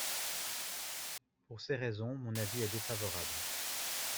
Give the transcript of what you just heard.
Pour ces raisons, mon avis est défavorable.